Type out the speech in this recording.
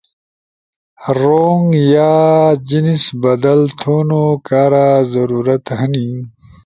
رونگ یا جنس بدل تھونو کارا ضرورت ہنی؟